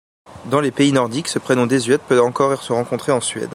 Dans les pays nordiques, ce prénom désuet peut encore se rencontrer en Suède.